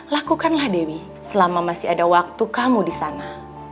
lakukanlah dewi selama masih ada waktu kamu di sana